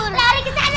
lari ke sana